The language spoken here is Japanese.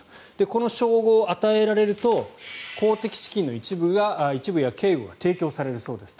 この称号、与えられると公的資金の一部や警護が提供されるそうです。